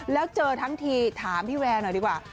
แล้วเจอทั้งทีถามพี่แวร์หน่อยดีกว่า